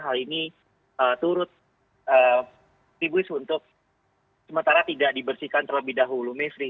hal ini turut tibus untuk sementara tidak dibersihkan terlebih dahulu mevri